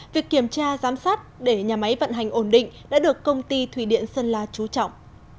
việc kiểm tra giám sát để nhà máy vận hành ổn định đã được công ty thủy điện sơn la trú trọng